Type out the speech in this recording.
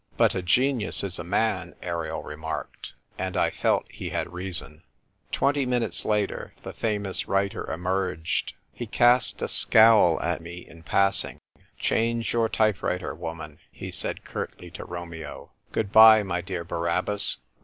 " But a genius is a man," Ariel remarked. And I felt he had reason. Twenty minutes later, the famous writer emerged. He cast a scowl at me in pass ing. " Change your type writer woman !" he said curtly to Romeo. " Good bye, my dear Barabbas.